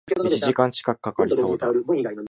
一時間近く掛かりそうだ